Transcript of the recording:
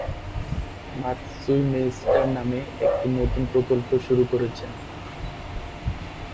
মাৎসুই মেইস্টার নামে একটি নতুন প্রকল্প শুরু করেছেন।